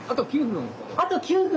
あと９分。